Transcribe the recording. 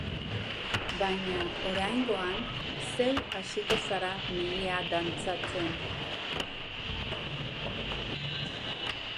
Baina oraingoan zeu hasiko zara mihia dantzatzen.